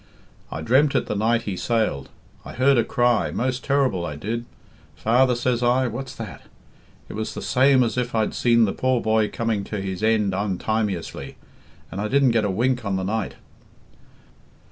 "I dreamt it the night he sailed. I heard a cry, most terrible, I did. 'Father,' says I, 'what's that?' It was the same as if I had seen the poor boy coming to his end un timeously. And I didn't get a wink on the night."